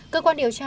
cơ quan điều tra